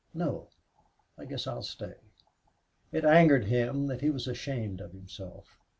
"No! I guess I'll stay." It angered him that he was ashamed of himself.